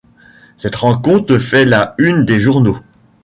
Cette rencontre fait la une des journaux.